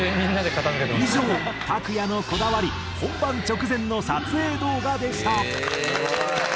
以上ＴＡＫＵＹＡ∞のこだわり本番直前の撮影動画でした。